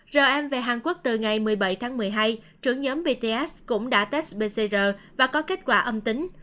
rm về hàn quốc từ ngày một mươi bảy tháng một mươi hai trưởng nhóm bts cũng đã test pcr và có kết quả âm tính